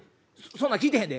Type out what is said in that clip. そんなん聞いてへんで。